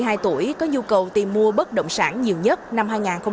sáu đến bốn mươi hai tuổi có nhu cầu tìm mua bất động sản nhiều nhất năm hai nghìn hai mươi ba